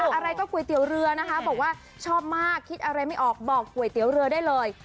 อะไรก็ก๋วยเตี๋ยวเรือนะคะบอกว่าชอบมากคิดอะไรไม่ออกบอกก๋วยเตี๋ยวเรือได้เลย